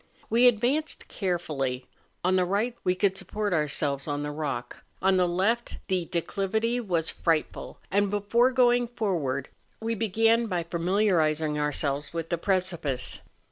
We advanced carefully; on the right we could support ourselves on the rock, on the left the de¬ clivity was frightful, and before going forward we began by familiarising ourselves with the precipice.